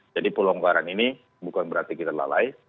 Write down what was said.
jadi pelonggaran ini bukan berarti kita lalai